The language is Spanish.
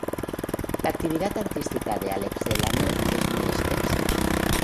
La actividad artística de Álex de la Nuez es muy extensa.